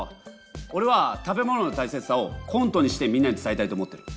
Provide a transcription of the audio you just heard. おれは食べ物のたいせつさをコントにしてみんなに伝えたいと思ってる。